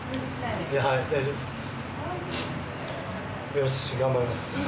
よし頑張ります。